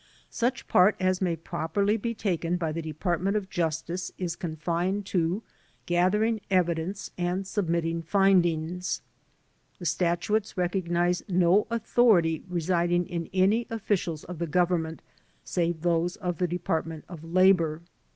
Such part as may properly be taken by the Department of Justice is confined to gathering evidence and submitting findings. The statutes recognize no authority residing in any offi cials of the government save those of the Department of Labor.